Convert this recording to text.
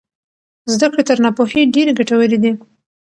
زده کړې تر ناپوهۍ ډېرې ګټورې دي.